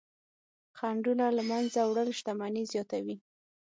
خنډونه له منځه وړل شتمني زیاتوي.